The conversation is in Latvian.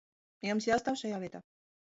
Jums jāstāv šajā vietā.